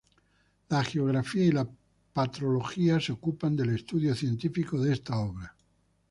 La hagiografía y la patrología se ocupan del estudio científico de esta obra.